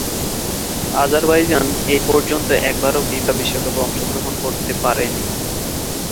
Azerbaijan এপর্যন্ত একবারও FIFA বিশ্বকাপে অংশগ্রহণ করতে পারেনি।